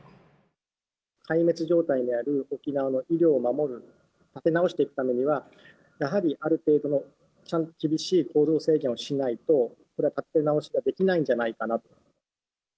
壊滅状態である沖縄の医療を守る、立て直していくためには、やはりある程度のちょっと厳しい行動制限をしないと、立て直しができないんじゃないかな。